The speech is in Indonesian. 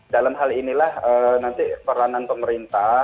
dalam hal inilah nanti peranan pemerintah